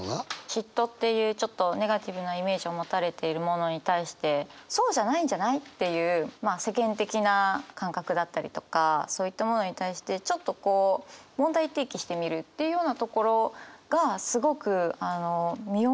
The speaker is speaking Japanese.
嫉妬っていうちょっとネガティブなイメージを持たれているものに対してそうじゃないんじゃない？っていうまあ世間的な感覚だったりとかそういったものに対してちょっとこう問題提起してみるっていうようなところがすごく実を結んだ文章だと思います。